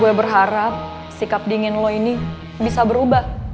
gue berharap sikap dingin lo ini bisa berubah